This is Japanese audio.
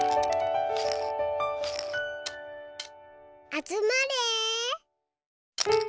あつまれ。